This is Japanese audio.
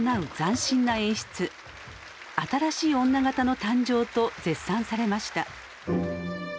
新しい女形の誕生と絶賛されました。